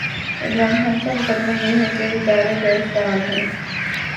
عمران خان کا مقدمہ یہ ہے کہ ادارے غیر فعال ہیں۔